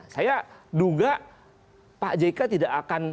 saya duga pak jk tidak akan